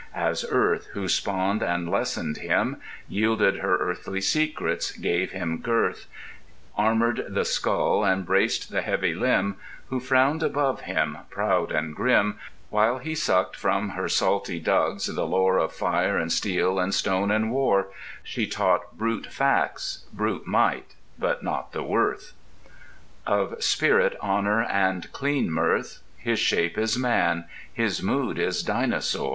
As Earth, who spawned and lessoned him, Yielded her earthy secrets, gave him girth, Armoured the skull and braced the heavy limb— Who frowned above him, proud and grim, While he sucked from her salty dugs the lore Of fire and steel and stone and war: She taught brute facts, brute might, but not the worth Of spirit, honour and clean mirth ... His shape is Man, his mood is Dinosaur.